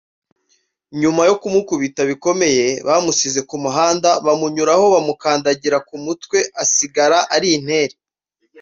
nyuma yo kumukubita bikomeye bamusize ku muhanda bamunyuraho bamukandagira ku mutwe asigara ari intere